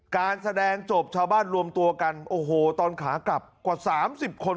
การแสดงจบชาวบ้านรวมตัวกันโอ้โหตอนขากลับกว่า๓๐คน